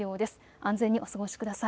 安全にお過ごしください。